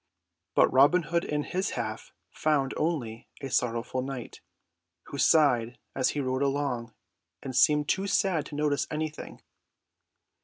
But Robin Hood and his half found only a sorrowful knight who sighed as he rode along and seemed too sad to notice anything.